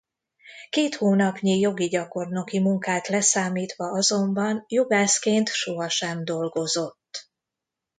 Két hónapnyi jogi gyakornoki munkát leszámítva azonban jogászként soha sem dolgozott.